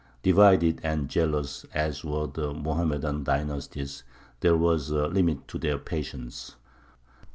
Divided and jealous as were the Mohammedan dynasts, there was a limit to their patience.